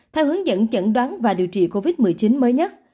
theo hướng dẫn chẩn đoán và điều trị covid một mươi chín mới nhất